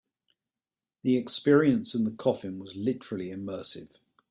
The experience in the coffin was literally immersive.